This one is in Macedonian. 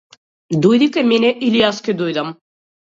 Дојди кај мене или јас ќе дојдам.